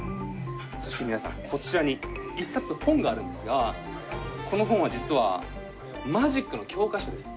そして皆さんこちらに１冊本があるんですがこの本は実はマジックの教科書です。